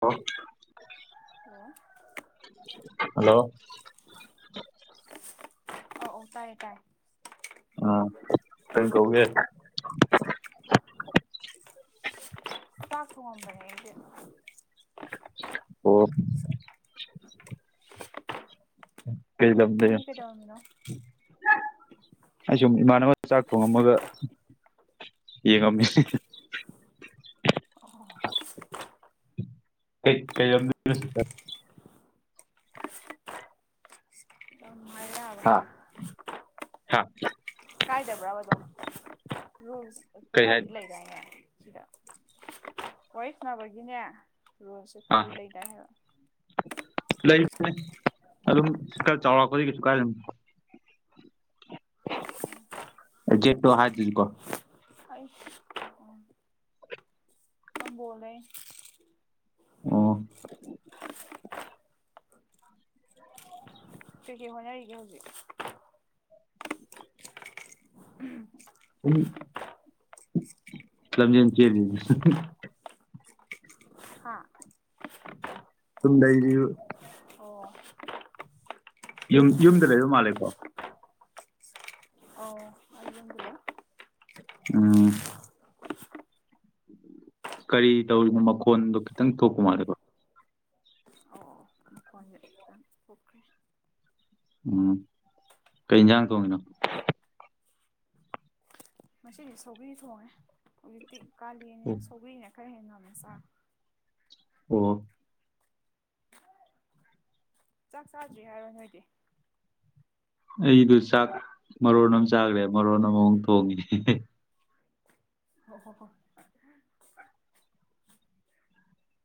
ꯑꯣ hello hello ꯑꯣ ꯑꯣ ꯇꯥꯏꯦ ꯇꯥꯏ ꯎꯝ ꯀ ꯀꯧꯒꯦ [unintelligible] ꯐꯝꯕꯦꯗꯤ ꯀꯩ ꯂꯝꯝꯕ ꯅꯪꯗꯤ ꯀꯩꯗꯧꯔꯝꯃꯤꯅꯣ ꯑꯩ ꯁꯨꯝ ꯏꯃꯥꯟꯅꯕ ꯆꯥꯛ ꯊꯣꯡꯉꯝꯃꯒ ꯌꯦꯡꯉꯝꯃꯤ ꯑꯣ ꯀꯩ ꯑꯁ ꯌꯥꯝ ꯍꯥꯏꯕ ꯌꯥꯕ꯭ꯔꯥ ꯍꯥ ꯍ ꯀꯥꯏꯗꯕ꯭ꯔꯥꯕ ꯑꯗꯨꯝ ꯔꯨ ꯀꯩ ꯍꯥꯏ ꯈꯔꯗꯤ ꯂꯩꯔꯏꯅꯦ ꯁꯤꯗ ꯋꯥꯣꯏꯁꯅꯥꯕꯒꯤꯅꯦ ꯔꯣꯜꯁꯦ ꯈꯔꯗꯤ ꯂꯩꯗꯥ ꯍꯥꯏꯕ ꯂꯩ ꯑꯗꯨ ꯀ ꯆꯥꯎ ꯀꯁꯨ ꯀꯥꯏ ꯦꯣ ꯍꯥꯏꯥꯏꯖꯀ ꯑꯩ ꯐꯂꯦ ꯑ ꯀꯩꯀꯩ ꯍꯣꯠꯅꯔꯤꯒꯦ ꯍꯧꯖꯤꯛ ꯎ ꯂꯝꯖ ꯀꯦ ꯍꯥ ꯄꯨꯗꯏꯔꯤꯨ ꯑꯣ ꯌꯨꯝ ꯌꯨꯝꯗ ꯂꯩꯕ ꯃꯥꯜꯂꯦꯀꯣ ꯑꯧ ꯑꯩ ꯌꯨꯝꯗ ꯂꯩ ꯑꯝ ꯀꯔꯤ ꯇꯧꯔꯤꯕꯅꯣ ꯃꯈꯣꯟꯗꯣ ꯊꯣꯛꯄ ꯃꯥꯜꯂꯦꯕꯣ ꯑꯧ ꯑꯧ ꯃꯈꯣꯟꯁꯦ ꯈꯤꯇꯪ ꯊꯣꯛꯈ꯭ꯔꯦ ꯎꯝ ꯀꯩ ꯌꯦꯟꯁꯥꯡ ꯊꯣꯡꯉꯤꯅꯣ ꯃꯆꯗꯤ ꯁꯧꯒ꯭ꯔꯤ ꯊꯣꯡꯉꯦ ꯍꯧꯖꯤꯛꯇꯤ ꯀꯥꯂꯅꯤꯅ ꯁꯧꯒ꯭ꯔꯤꯅ ꯈꯔ ꯍꯦ ꯉꯃꯣ ꯁꯥ ꯑꯣ ꯆꯥꯛ ꯆꯥꯗ꯭ꯔꯤ ꯍꯥꯏꯔꯣ ꯅꯣꯏꯗꯤ ꯑꯩꯗꯨ ꯆꯥꯛ ꯃꯔꯣꯟ ꯑꯃ ꯆꯥꯈ꯭ꯔꯦ ꯃꯔꯣꯟ ꯑꯃꯃꯑꯣꯛ ꯊꯣꯡꯉꯦ ꯍ ꯍꯣ ꯍꯣ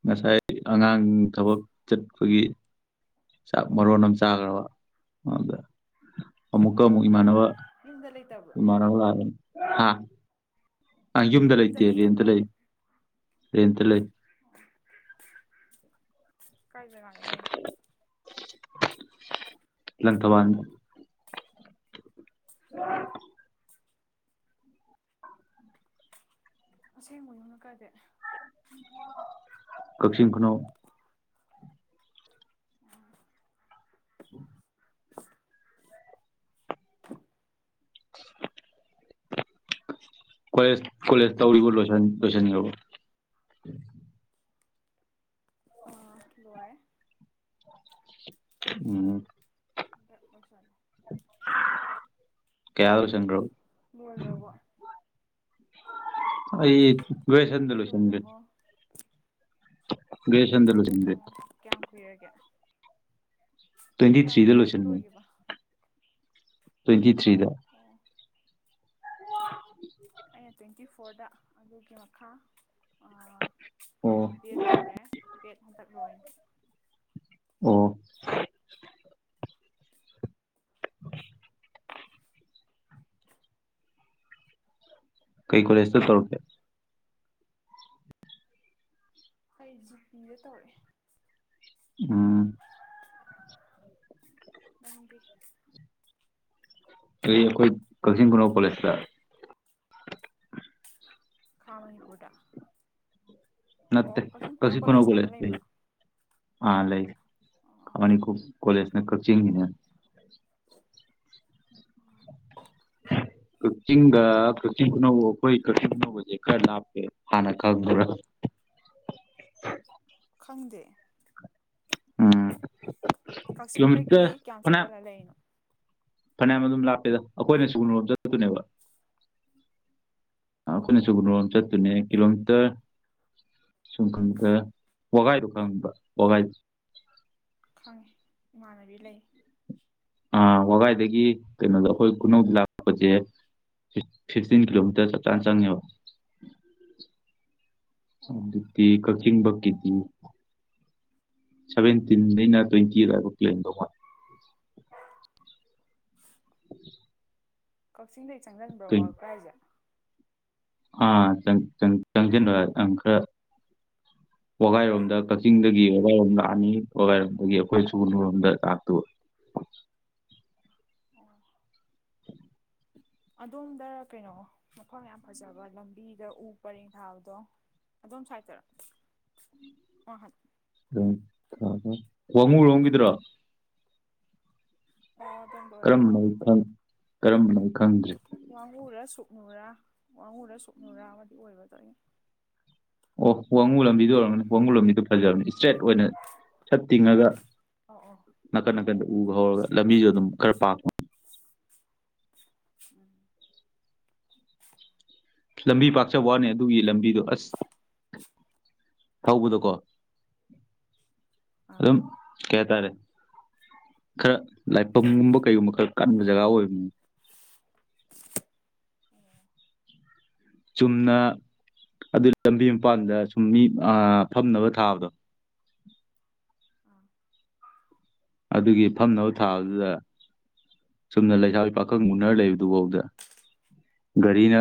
ꯉꯁꯥꯏ ꯑꯉꯥꯡ ꯊꯕꯛ ꯆꯠꯄꯒꯤ ꯆꯥꯛ ꯃꯔꯣꯟ ꯑꯃ ꯆꯥꯈ꯭ꯔꯕ ꯑꯗꯨꯗ ꯑꯃꯨꯛꯀ ꯑꯃꯨꯛ ꯏꯃꯥꯟꯅꯕ ꯗ ꯂꯩ ꯇꯕ꯭ꯔꯣ ꯏꯃꯥꯟꯅꯕ ꯂꯥꯛꯑꯦ ꯍꯥ ꯑ ꯌꯨꯝꯗ ꯂꯩ ꯂꯩꯇꯦꯜꯂꯤ ꯂꯩ ꯔꯦꯠꯇ ꯂꯩ ꯀꯩꯗ ꯖꯥꯒꯥꯗ ꯂꯩꯅꯣ ꯂ ꯂꯪꯀꯕꯥꯥꯟꯅ ꯑ ꯑꯁꯦꯡꯕ ꯌꯨꯝꯅ ꯀꯗꯦ ꯀꯛꯆꯤꯡ ꯈꯨꯅꯣ [unintelligible] [unintelligible] ꯀꯣꯂꯦꯖ ꯀꯣꯂꯦꯖ ꯇꯧꯔꯤꯕ ꯂꯣꯏꯁꯤꯟꯈꯕ ꯂꯣꯏꯔꯦ ꯎꯝ [inaudible] ꯀꯌꯥꯗ ꯂꯣꯏꯆꯟꯒꯔꯣ ꯂꯣꯏꯒꯕꯣ ꯑꯩ ꯒ꯭ꯔꯦꯖꯦꯁꯟ ꯗ ꯅꯪꯗꯤ ꯂꯣꯏꯁꯟꯒꯔꯦ ꯂꯣꯏꯈ꯭ꯔꯕꯣ ꯒ꯭ꯔꯦꯖꯦꯁꯟ ꯗ ꯂꯣꯏꯁꯟꯒꯔꯦ ꯀꯌꯥꯝ ꯀꯨꯏꯔꯒꯦ ꯇ꯭ꯋꯦꯟꯇꯤ ꯀꯌꯥꯝ ꯊ꯭ꯔꯤꯗ ꯀꯨꯏꯔꯒꯦ ꯂꯣꯏꯁꯤꯟꯃꯦ ꯂꯣꯏꯈꯤꯕ ꯇ꯭ꯋꯦꯟꯇꯤ ꯊ꯭ꯔꯤꯗ ꯑꯣ ꯇꯋꯦꯟꯇꯤ ꯐꯣꯔꯗ ꯑꯗꯨꯒꯤ ꯃꯈꯥ ꯑꯣ ꯕꯤ ꯑꯦꯠ ꯇꯧꯔꯦ ꯕꯤ ꯑꯦꯠ ꯍꯟꯗꯛ ꯂꯣꯏꯅꯤ [unintelligible] ꯀꯩ ꯀꯣꯂꯦꯖꯁꯨ ꯇꯧꯔꯛꯀꯦ ꯍꯁꯗ ꯇꯧꯔꯑꯦ ꯎꯝ ꯑꯗꯤ ꯑꯩ ꯑꯩꯈꯣꯏ ꯀꯛꯆꯤꯡ ꯀꯨꯅꯣ ꯄꯣꯂꯦꯖꯇ ꯈꯥꯃꯅꯤ ꯄꯇ ꯅꯠꯇ ꯀꯁꯤ ꯀꯣꯂꯦꯖꯅ ꯈꯨꯨꯅꯕꯨꯣꯂ ꯑꯃ ꯂꯩ ꯂꯩꯕ꯭ꯔꯥ ꯑꯥ ꯂꯩꯥꯏ ꯑꯣ ꯈꯅꯤ ꯀꯣꯂꯦꯖꯅꯦ ꯀꯛꯆꯤꯡꯅꯦ [unintelligible] ꯀꯛꯆꯤꯡꯒ ꯀꯛꯆꯤꯡ ꯈꯨꯅꯧ ꯑꯩꯈꯣꯏ ꯀꯛꯆꯤꯡ ꯑꯅꯧꯕꯁꯦ ꯈꯔ ꯂꯥꯞꯄꯦ ꯍꯥꯟꯅ ꯈꯪꯕ꯭ꯔꯥ [unintelligible] ꯈꯪꯗꯦ ꯎꯝ ꯀꯛꯆꯤꯡꯗꯒꯤ ꯀꯤꯂꯣꯃꯤꯇꯔ ꯀꯌꯥꯝ ꯐꯅꯌꯥꯝ ꯆꯪꯁꯤꯜꯂ ꯂꯩꯅꯣ ꯐꯅꯌꯥꯝ ꯑꯗꯨꯝ ꯂꯥꯞꯇꯦꯗ ꯑꯩꯈꯣꯏꯅ ꯁꯤꯒꯨꯝꯅꯣꯝ ꯆꯛꯇꯅꯦꯕ ꯑꯩꯈꯣꯏꯅ ꯑꯣ ꯁꯒꯟꯔꯣꯝ ꯆꯠꯇꯨꯅꯦ ꯀꯤꯂꯣꯃꯤꯇꯔ ꯁꯨꯝ ꯈꯪꯗ ꯋꯥꯒꯥꯏꯗꯣ ꯈꯪꯕ ꯋꯥꯒꯥꯏꯗꯨ ꯈꯪꯉꯦ ꯏꯃꯥꯟꯅꯕꯤ ꯂꯩ ꯑ ꯋꯥꯒꯥꯏꯗꯒꯤ ꯀꯩꯅꯣꯗꯣ ꯑꯩꯈꯣꯏ ꯈꯨꯅꯧꯗ ꯂꯥꯛꯄꯁꯦ ꯐꯤꯁꯇꯤꯟ ꯀꯤꯂꯣꯃꯤꯇꯔ ꯆ ꯆꯥꯟꯁ ꯆꯥꯡꯦꯕ ꯑꯣ ꯤ ꯀꯛꯆꯤꯡꯕꯀꯤꯇ ꯁꯚꯦꯟꯇꯤꯟꯗꯩꯅ ꯇ꯭ꯋꯦꯟꯇꯤꯒꯕ ꯄ꯭ꯂꯦꯟꯗꯧ ꯃꯥꯦ [unintelligible] ꯀꯛꯆꯤꯡꯗꯒꯤ ꯆꯪꯁꯤꯟꯕ꯭ꯔꯥ ꯇ꯭ꯋꯦꯟ ꯋꯥꯔꯜ ꯀ꯭ꯔꯥꯏꯁꯦ ꯑꯥ ꯆꯪꯁꯤꯟꯣꯪ ꯈꯔ ꯋꯥꯒꯥꯏꯔꯣꯝꯗ ꯀꯛꯆꯤꯡꯗꯒꯤ ꯋꯥꯒꯥꯏꯔꯣꯝ ꯂꯥꯛꯑꯅꯤ ꯋꯥꯒꯥꯏꯔꯣꯝꯗꯒꯤ ꯑꯩꯈꯣꯏ ꯁꯨꯅꯔꯣꯝꯗ ꯂꯥꯛꯇꯕ [unintelligible] ꯑꯣ ꯑꯗꯣꯝꯗ ꯀꯩꯅꯣ ꯃꯐꯝ ꯌꯥꯝ ꯐꯖꯕ ꯂꯝꯕꯤꯗ ꯎ ꯄꯔꯦꯡ ꯊꯥꯕꯗꯣ ꯑꯣꯝ ꯁꯋꯥꯇꯔꯛ ꯑ ꯎꯝ ꯋꯥꯍꯨ ꯂꯣꯡꯈꯤꯗ꯭ꯔꯣ ꯑꯣ ꯑꯗꯣꯝꯗ ꯑꯣꯏꯔꯝꯃꯅꯤ ꯀꯔꯝꯅ ꯀꯔꯅ ꯈꯪꯗ꯭ꯔꯦ ꯋꯥꯉꯨꯔ ꯁꯨꯞꯛꯅꯨꯔ ꯋꯥꯉꯨꯔ ꯁꯨꯞꯛꯅꯨꯔ ꯑꯃꯗꯤ ꯑꯣꯏꯒꯗꯅꯦ ꯑꯣ ꯋꯥꯡꯉꯨ ꯂꯝꯕꯤꯗꯨ ꯑꯣꯏꯔꯔꯕꯅꯤ ꯋꯥꯡꯉꯨ ꯂꯝꯕꯤꯗꯨꯣ ꯐꯖꯕꯅꯤ ꯏꯁꯇ꯭ꯔꯦꯠ ꯑꯣꯏꯅ ꯁꯠ ꯇꯤꯡꯉꯒ꯫ ꯑꯣ ꯑꯣ ꯅꯥꯀꯟ ꯅꯥꯀꯟꯗ ꯎꯕ ꯍꯧꯔꯒ ꯏꯁꯇ꯭ꯔꯦꯠ ꯂꯝꯕꯤꯁꯨ ꯑꯣꯏꯕꯗꯣ ꯑꯗꯨꯝ ꯈꯔ ꯄꯥꯛꯄ꯫ [inaudible] ꯂꯝꯕꯤ ꯄꯥꯛꯆꯋꯥꯅꯤ ꯑꯗꯨꯒꯤ ꯂꯝꯕꯤꯗꯣ ꯑꯁ꯫ ꯊꯧꯕꯗꯀꯣ ꯑꯥ ꯑꯗꯨꯝ꯫ ꯀꯩ ꯇꯔꯦ꯫ ꯈꯔ ꯂꯥꯏꯐꯝꯒꯨꯝꯕ ꯀꯩꯒꯨꯝꯕ ꯈꯔ ꯀꯟꯕ ꯖꯒꯥ ꯑꯣꯏꯕꯅꯤ꯫ ꯆꯨꯝꯅ꯫ ꯑꯗꯨꯗꯤ ꯂꯝꯕꯤ ꯃꯄꯥꯟꯗ ꯁꯨꯝ ꯃꯤ ꯐꯝꯅꯕ ꯊꯥꯕꯗꯣ꯫ ꯑꯗꯨꯒꯤ ꯐꯝꯅꯕ ꯊꯥꯕꯗꯨꯗ꯫ ꯆꯨꯝꯅ ꯂꯩꯁꯥ ꯄꯥꯈꯪ ꯎꯅꯔ ꯂꯩꯕꯗꯨꯐꯥꯎꯗ꯫ ꯒꯥꯔꯤꯅ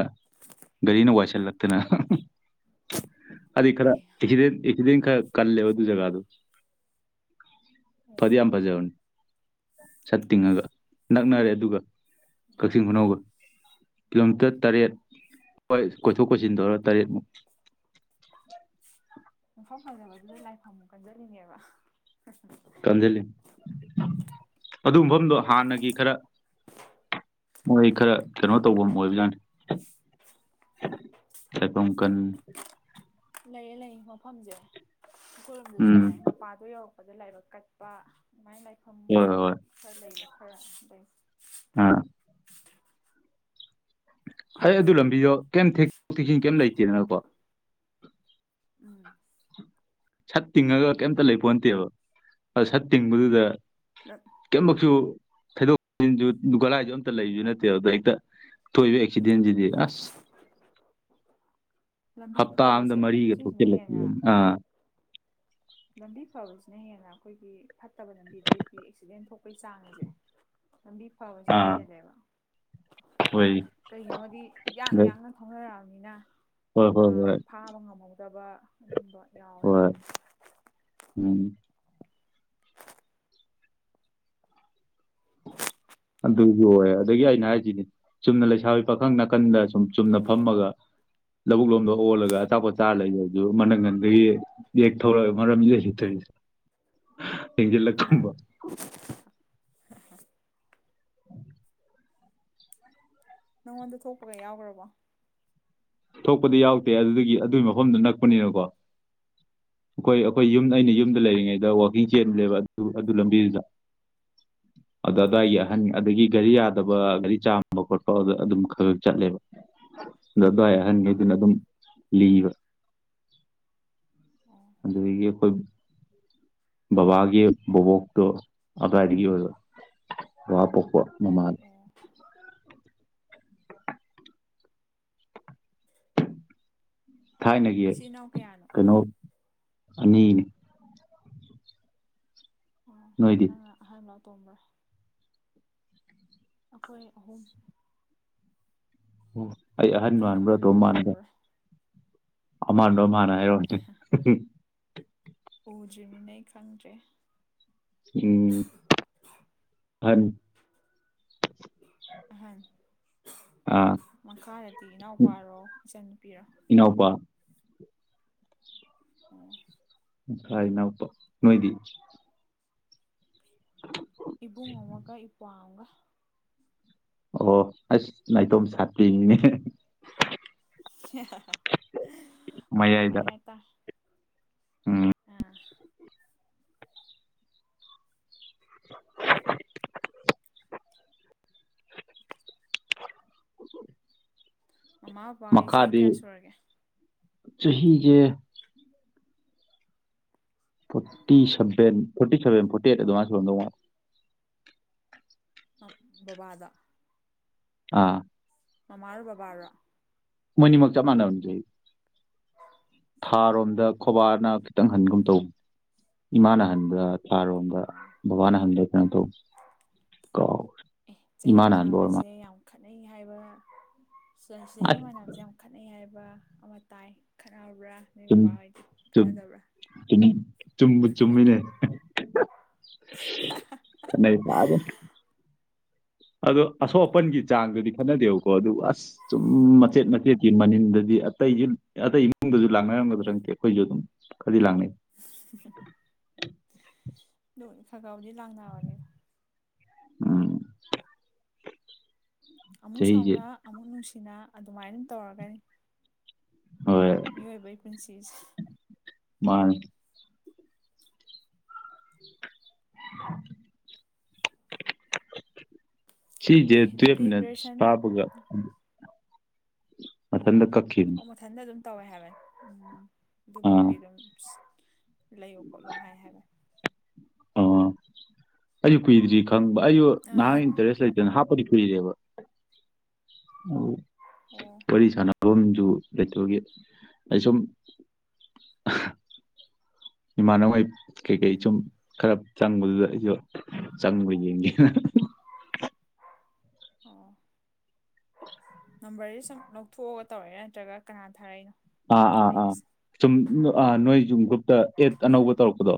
ꯒꯥꯔꯤꯅ ꯋꯥꯏꯁꯤꯜꯂꯛꯇꯅ꯫ ꯑꯗꯤ ꯈꯔ ꯑꯩ ꯏꯁꯤꯗꯦꯟ ꯈ ꯀꯜ ꯂꯦꯑꯣ ꯑꯗꯨ ꯖꯒꯥ ꯑꯗꯨ꯫ ꯄꯗꯤ ꯑꯣ ꯌꯥꯝ ꯐꯖꯥꯕꯅꯤ ꯆꯠ ꯇꯤꯉꯒ꯫ ꯅꯛꯅꯔꯦ ꯑꯗꯨꯒ ꯀꯛꯆꯤꯡ ꯈꯨꯅꯧꯒ꯫ ꯀꯤꯂꯣꯃꯤꯇꯔ ꯇꯔꯦꯠ ꯍꯣꯏ ꯀꯣꯏꯊꯣꯛ ꯀꯣꯏꯁꯤꯟ ꯇꯧꯔ ꯇꯔꯦꯠꯃꯨꯛ꯫ [inaudible] ꯃꯐꯝ ꯐꯖꯕꯗꯨꯗ ꯂꯥꯏꯐꯝꯃꯨꯛ ꯀꯟꯖꯜꯂꯤꯅꯦꯕ꯫ ꯀꯟꯁꯤꯜꯂꯤ ꯑꯗꯨ ꯃꯐꯝꯗꯣ ꯍꯥꯟꯅꯒꯤ ꯈꯔ꯫ ꯃꯣꯏ ꯈꯔ ꯀꯩꯅꯣ ꯇꯐꯝ ꯑꯣꯏꯕꯖꯅꯤ꯫ ꯂꯥꯏꯐꯝ ꯀꯜ꯫ ꯂꯩꯌꯦ ꯂꯩ ꯃꯐꯝꯁꯦ ꯑꯩꯈꯣꯏꯂꯣꯝꯗꯁꯨ ꯎꯝ ꯉꯥꯏ ꯃꯄꯥꯗꯣ ꯌꯧ꯫ ꯑꯄꯗ ꯂꯥꯏꯕꯛ ꯀꯠꯄ ꯑꯗꯨꯃꯥꯏ ꯂꯥꯏꯐꯝ ꯍꯣꯏ ꯑꯗꯒꯤ ꯈꯔ ꯂꯩꯕ ꯈꯔ ꯑ꯫ ꯑꯝ꯫ ꯑꯩ ꯑꯗꯨ ꯂꯝꯕꯤꯗꯣ ꯀꯩꯝ ꯊꯦꯛ ꯊꯦꯛꯆꯟ ꯀꯩꯝ ꯂꯩꯇꯦꯗꯅꯀꯣ꯫ ꯎꯝ ꯁꯠ ꯇꯤꯡꯉꯒ ꯀꯩꯝꯇ ꯂꯩꯄꯣꯇꯦꯕ ꯑ ꯁꯠ ꯇꯤꯡꯕꯗꯨꯗ꯫ ꯀꯩꯝꯃꯛꯁꯨ ꯊꯩꯗꯣꯛꯁꯨ ꯒꯂꯥꯏꯁꯨ ꯑꯝꯇ ꯂꯩꯕꯁꯨ ꯅꯠꯇꯦ ꯑꯗꯨꯗꯣ ꯍꯦꯛꯇ꯫ ꯊꯣꯏꯕ ꯑꯀꯁꯤꯗꯟꯁꯤꯗꯤ ꯑꯁ꯫ ꯂꯝꯕꯤ ꯍꯞꯇꯥ ꯑꯝꯗ ꯐꯕꯁꯦ ꯃꯔꯤꯒ ꯁꯤꯁꯤꯅ ꯊꯣꯛꯆꯤꯜꯂꯛꯄ ꯍꯦꯟꯅ ꯑꯥ꯫ ꯂꯝꯕꯤ ꯐꯕꯁꯤꯅ ꯍꯦꯟꯅ ꯑꯩꯈꯣꯏꯒꯤ ꯐꯠꯇꯕ ꯂꯝꯕꯤꯗꯩꯗꯤ ꯑꯦꯛꯁꯤꯗꯦꯟ ꯊꯣꯛꯄꯒꯤ ꯆꯥꯡ ꯑꯁꯦ꯫ ꯑꯕꯤ ꯐꯥꯋꯥꯖꯤꯅ ꯑꯥ ꯍꯦꯜꯂꯦꯕ꯫ ꯑꯣꯏ ꯀꯩꯒꯤꯅꯣꯗꯤ ꯌꯥꯡ ꯌꯥꯡꯅ ꯊꯥꯎꯅꯔꯛꯑꯃꯤ꯫ ꯅ ꯍꯣꯏ ꯍꯣꯏ ꯍꯣꯏ ꯐꯥꯕ ꯉꯝꯍꯧꯗꯕ ꯑꯗꯨꯝꯕ ꯌꯥꯎꯋꯦꯕ꯫ ꯍꯣꯏ ꯎꯝ꯫ ꯑꯗꯨ꯫ ꯌꯣꯏꯑꯦ ꯑꯗꯒꯤ ꯑꯩꯅ ꯍꯥꯏꯔꯤꯁꯤꯅꯦ ꯆꯨꯝꯅ ꯂꯩꯁꯥꯕꯤ ꯄꯥꯈꯪ ꯅꯥꯀꯟꯗ ꯁꯨꯝ ꯆꯨꯝꯅ ꯐꯝꯃꯒ꯫ ꯂꯧꯕꯨꯛ ꯂꯣꯝꯗ ꯑꯣꯜꯂꯒ ꯑꯆꯥꯄꯣꯠ ꯆꯥꯔ ꯂꯩꯕꯗꯨ ꯃꯅꯪꯉꯟꯗꯒꯤ ꯌꯦꯛ ꯊꯧꯔꯑꯒ ꯃꯔꯝꯁꯤꯗ ꯍꯤꯊꯣꯏ꯫ ꯊꯦꯡꯖꯤꯂꯛ ꯀꯝꯕ꯫ ꯅꯪꯉꯣꯟꯗ ꯊꯣꯛꯄꯒ ꯌꯥꯎꯈ꯭ꯔꯕꯣ꯫ ꯊꯣꯛꯄꯗꯤ ꯌꯥꯎꯗꯦ ꯑꯗꯨꯗꯒꯤ ꯑꯗꯨꯒꯤ ꯃꯐꯝꯗꯨꯣ ꯅꯛꯄꯅꯤꯅꯀꯣ꯫ ꯑꯩꯈꯣꯏ ꯑꯩꯈꯣꯏ ꯌꯨꯝ ꯎꯝ ꯑꯩꯅ ꯌꯨꯝꯗ ꯂꯩꯔꯤꯉꯩꯗ ꯋꯥꯛꯀꯤꯡ ꯆꯦꯟꯕꯅꯦꯕ ꯑꯗꯨ ꯑꯗꯨ ꯂꯝꯕꯤꯗꯨꯗ꯫ [inaudible] ꯑꯗꯨꯗ ꯎꯝ ꯑꯋꯥꯏꯒꯤ ꯑꯍꯟ ꯑꯗꯒꯤ ꯒꯥꯔꯤ ꯌꯥꯗꯕ ꯒꯥꯔꯤ ꯆꯥꯝꯕ ꯈꯣꯠꯄ ꯑꯗꯨꯝ ꯈ ꯈꯛ ꯆꯠꯂꯦꯕ꯫ ꯑꯗꯨꯋꯥꯏ ꯑꯍꯟꯅꯤ ꯑꯗꯨꯅ ꯑꯣ ꯑꯗꯨꯝ ꯂꯤꯕ꯫ ꯑꯣ ꯑꯗꯨꯗꯒꯤ ꯑꯩꯈꯣꯏ꯫ ꯕꯕꯥꯒꯤ ꯕꯕꯣꯛꯇꯣ ꯑꯗꯨꯗꯥꯏꯗꯒꯤ ꯑꯣꯏꯕ ꯕꯥ ꯄꯣꯛꯄ꯫ ꯃꯃꯜ꯫ ꯑꯣ ꯊꯥꯏꯅꯒꯤ ꯏꯆꯤꯜ ꯏꯅꯥꯎ ꯀꯌꯥꯅꯣ ꯀꯩꯅꯣ ꯑꯅꯤꯅꯤ꯫ ꯑꯣ ꯅꯣꯏꯗꯤ ꯅꯪꯅ ꯑꯍꯟꯂ ꯇꯣꯝꯕ꯭ꯔꯥ꯫ ꯑꯩꯈꯣꯏ ꯑꯍꯨꯝ꯫ ꯑꯣ ꯑꯩ ꯑꯍꯟ ꯅꯪꯅ ꯃꯥꯟꯕ꯭ꯔꯥ ꯑꯍꯜꯂꯣ ꯑꯗꯨꯣꯝ ꯃꯥꯟꯕ꯭ꯔꯥ ꯑꯇꯣꯝꯕ꯭ꯔꯥ ꯑꯃꯥꯟꯗꯣꯃꯅꯔꯣ ꯐꯗ꯭ꯔꯤꯅꯤꯅꯦ ꯑꯩ ꯈꯪꯗ꯭ꯔꯦ ꯎꯝ ꯐ ꯍꯥꯏꯝ ꯑꯥ ꯃꯈꯥꯗꯗꯤ ꯏꯅꯥꯎꯄꯥꯔꯣ ꯏꯆꯟꯟꯅꯨꯄꯤꯔꯣ ꯏꯅꯥꯎꯄꯥ ꯑꯣ ꯐꯥꯏꯅꯅꯥꯎꯄ ꯅꯣꯏꯗꯤ ꯏꯕꯨꯡ ꯑꯃꯒ ꯏꯄ꯭ꯋꯥ ꯑꯃꯒ ꯑꯣ ꯑꯁ ꯅꯥꯏꯇꯣꯝ ꯁꯥꯇꯅꯦ ꯍꯣꯏ ꯃꯌꯥꯏꯗ ꯑꯗꯨꯃꯥꯏꯅ ꯍꯥꯏꯇꯥꯔꯦ ꯎꯝ ꯑꯝ [unintelligible] [unintelligible] ꯃꯃꯥ ꯕꯕꯥ ꯏꯁꯩ ꯀꯌꯥ ꯁꯨꯔꯒꯦ ꯆꯍꯤꯍꯤꯒꯦ forty seven forty seven forty eight ꯑꯗꯨꯃꯁꯨꯝꯗꯉ ꯑꯝꯕꯕꯥꯗ ꯑꯥ ꯅ ꯃꯥꯔꯕꯕꯥꯥꯔꯣ ꯃꯅꯤꯃꯛ ꯆꯞ ꯃꯥꯟꯅꯔꯖꯩ ꯑꯣ ꯊꯥꯔꯣꯝꯗ ꯈꯣꯕꯥꯔꯅ ꯈꯤꯇꯪ ꯍꯟꯒꯨꯝ ꯇꯧꯕ ꯏꯃꯥꯅ ꯍꯟꯕꯗ ꯑꯥꯔꯣꯝꯗ ꯑꯣ ꯕꯕꯥꯅ ꯍꯪꯗꯦ ꯀꯩꯅꯣ ꯇꯧ ꯀꯥꯎ ꯆꯍꯤ ꯃꯥꯟꯅꯕꯁꯦ ꯌꯥꯝ ꯈꯠꯅꯩ ꯆꯍꯤꯒꯤ ꯑꯁ ꯃꯅꯌꯥꯝꯁꯦ ꯌꯥꯝ ꯈꯠꯅꯩ ꯍꯥꯏꯕ ꯑꯃ ꯇꯥꯏ ꯈꯠꯅ ꯆ ꯆ ꯆꯨꯝꯃꯤꯅꯦ ꯀ ꯌꯥꯕ ꯑꯣ ꯑꯁꯣꯛ ꯎꯝ ꯑꯄꯟꯒꯤ ꯆꯥꯡꯗꯨꯗꯤ ꯈꯠꯅꯗꯦꯕꯀꯣ ꯑꯗꯨ ꯑꯁ ꯆꯨꯝ ꯃꯆꯦꯠ ꯃꯆꯦꯠꯀꯤ ꯃꯅꯤꯟꯗꯗꯤ ꯑꯇꯩꯁꯨ ꯑꯇꯩ ꯏꯃꯨꯡꯗꯁꯨ ꯂꯥꯛꯅ ꯝꯒꯗꯔ ꯅꯇꯦ ꯑꯩꯈꯣꯏꯁꯨ ꯑꯗꯨꯝ ꯈꯔꯗꯤ ꯂꯥꯛꯅꯩ ꯈꯒꯥꯎꯗꯤ ꯂꯥꯡꯅ ꯋꯥꯅꯤ ꯎꯝ ꯑꯃꯨꯛ ꯆꯍꯤꯁꯦ ꯁꯥꯎꯅꯥ ꯑꯃꯨꯛ ꯅꯨꯡꯁꯤꯅ ꯑꯗꯨꯃꯥꯏꯅ ꯇꯧꯔꯒꯅꯤ ꯍꯣꯏ ꯃꯤꯑꯣꯏꯕꯩ ꯄꯨꯟꯁꯤꯁꯦ ꯃꯥ [unintelligible] ꯁꯤꯖꯦ ꯑꯦ ꯇ ꯑꯗꯨꯗꯤ ꯃꯤꯅꯠ ꯒ꯭ꯔꯦꯖꯨꯑꯦꯁꯟ ꯄꯥꯕꯒ ꯃꯊꯥꯟꯗ ꯀꯥꯛꯈꯤꯕꯅꯤ ꯑꯣ ꯃꯊꯟꯇ ꯑꯗꯨꯝ ꯇꯧꯋꯦ ꯍꯥꯏꯒꯦ ꯎꯝ ꯑꯥ ꯑꯗꯨꯐꯧꯗꯤ ꯑꯗꯨꯝ ꯂꯩꯌꯣ ꯈꯣꯠꯂꯣ ꯍꯥꯏ ꯍꯥꯏꯕꯅꯦ ꯑ ꯑꯩꯁꯨ ꯀꯨꯏꯗ꯭ꯔꯤ ꯈꯪꯕ ꯑꯩꯁꯨ ꯑꯥ ꯅꯍꯥꯛ ꯏꯟꯇꯔꯦꯁ ꯂꯩꯇꯅ ꯍꯥꯞ ꯈꯔꯥꯗꯤ ꯀꯨꯏꯔꯦꯕ ꯑꯣ ꯋꯥꯔꯤ ꯁꯅꯕ ꯊꯕꯛꯁꯨ ꯂꯩꯇꯒꯤ ꯑꯩ ꯁꯨꯝ ꯏꯃꯥꯟꯅꯕꯉꯩ ꯀꯩꯀꯩ ꯁꯨꯝ ꯈꯔ ꯆꯪꯕꯗꯨꯗ ꯑꯩꯁꯨ ꯆꯪꯕ ꯌꯦꯡꯒꯦꯅ ꯑꯣ ꯅꯝꯕꯔꯁꯦ ꯁꯨꯝ ꯂꯧꯊꯣꯛꯑꯒ ꯇꯧꯔꯛꯏꯔ ꯅꯠꯇ꯭ꯔꯒ ꯀꯅꯥ ꯊꯥꯔꯛꯏꯅꯣ ꯑꯥ ꯑꯥ ꯑꯥ ꯑꯩꯒꯤꯁꯦ ꯁꯨꯝ ꯑ ꯅꯣꯏ ꯁꯨꯝ ꯒ꯭ꯔꯨꯞꯇ ꯑꯦꯠ ꯑꯅꯧꯕ ꯇꯧꯔꯛꯄꯗꯣ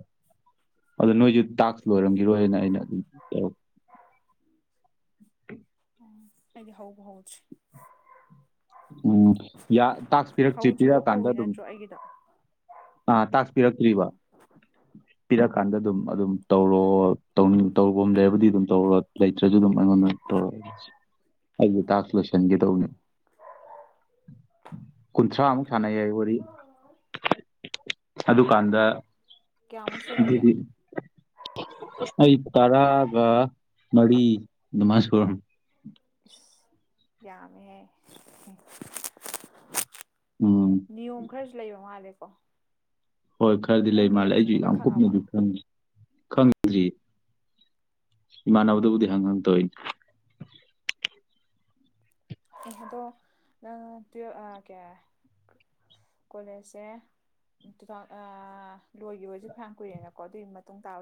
ꯑꯗꯣ ꯅꯣꯏꯁꯨ ꯇꯥꯛꯁ ꯑꯣ ꯂꯣꯏꯔꯝꯈꯤꯔꯣꯏ ꯍꯥꯏꯅ ꯑꯩꯅ ꯑꯗꯨꯝ ꯎꯝ ꯎ ꯑꯩꯗꯤ ꯍꯧꯕ ꯍꯧꯗ꯭ꯔꯤ ꯎꯝ ꯇꯥꯛ ꯄꯤꯔꯛꯁꯤ ꯍꯧꯗ꯭ꯔꯤꯕ ꯄꯤꯔꯛꯀꯥꯟꯗ ꯀꯧꯏ ꯑꯗꯨꯝ ꯅꯠꯇ꯭ꯔꯣ ꯑꯩꯒꯤꯗꯣ ꯑꯥ ꯇꯥꯛꯁꯄꯤꯔꯛꯇ꯭ꯔꯤꯕ ꯎꯝ ꯄꯤꯔꯛꯀꯥꯟꯗ ꯑꯗꯨꯝ ꯎꯝ ꯑꯗꯨꯝ ꯇꯧꯔꯣ ꯇꯧꯅꯤꯡ ꯇꯧꯕꯝ ꯂꯩꯔꯕꯨꯗꯤ ꯑꯗꯨꯝ ꯇꯧꯔꯣ ꯂꯩꯇ꯭ꯔꯁꯨ ꯑꯗꯨꯝ ꯑꯩꯉꯣꯡꯗ ꯇꯧꯔꯛꯑꯣ ꯑꯩꯁꯨ ꯇꯥꯛ ꯂꯣꯏꯁꯤꯟꯒ ꯇꯧꯕꯅꯤ ꯀꯨꯟꯊ꯭ꯔꯥꯃꯨꯛ ꯁꯥꯟꯅꯩꯌꯦ ꯋꯥꯔꯤ ꯑꯗꯨꯀꯥꯟꯗ ꯑꯣ ꯀꯌꯥꯃꯨꯛ ꯁꯨꯔꯒꯦ ꯑꯩ ꯇꯔꯥꯒ ꯃꯔꯤ ꯑꯗꯨꯃꯥꯏ ꯁꯨꯂꯝ ꯏꯁ ꯌꯥꯝꯃꯦꯍꯦ ꯎꯝ ꯅꯤꯌꯣꯝ ꯈꯔꯁꯨ ꯂꯩꯕ ꯃꯥꯜꯂꯦꯀꯣ ꯍꯣꯏ ꯈꯔꯗꯤ ꯂꯩ ꯅꯪ ꯃꯥꯜꯂꯦ ꯑꯩꯁꯨ ꯅꯤꯌꯣꯝꯁꯤꯡꯗꯣ ꯂꯣꯏ ꯌꯥꯝ ꯈꯪꯉꯕ ꯀꯨꯞꯅꯁꯨ ꯈꯪꯉꯦ ꯈꯪꯗ꯭ꯔꯤ ꯏꯃꯥꯟꯅꯕꯗꯨꯕꯨꯗꯤ ꯑꯣ ꯍꯪ ꯍꯪꯇꯧꯏꯅꯩ ꯏꯍꯗꯣ ꯅꯪ ꯇꯨꯋꯄ ꯀꯌꯥ ꯀꯣꯂꯦꯖꯁꯦ ꯇꯨ ꯊꯥꯎ ꯑ ꯂꯣꯏꯈꯤꯕ ꯐꯅꯌꯥꯝ ꯀꯨꯏꯔꯦꯅꯀꯣ ꯑꯗꯨꯒꯤ ꯃꯇꯨꯡ ꯇꯥꯕ